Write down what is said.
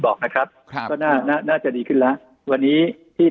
บอกนะครับครับก็น่าน่าจะดีขึ้นแล้ววันนี้ที่